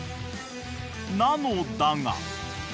［なのだが］